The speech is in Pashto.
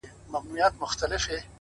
د زغم ځواک د شخصیت نښه ده؛